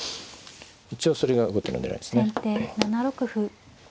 一応それが後手の狙いですね。